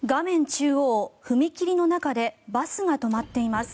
中央、踏切の中でバスが止まっています。